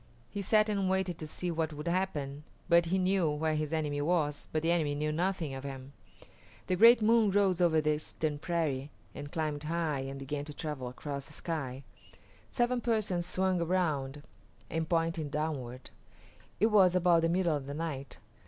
He sat and waited to see what would happen, for he knew where his enemy was, but the enemy knew nothing of him. The great moon rose over the eastern prairie and climbed high and began to travel across the sky. Seven Persons swung around and pointed downward. It was about the middle of the night.